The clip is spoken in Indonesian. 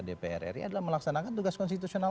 dpr ri adalah melaksanakan tugas konstitusional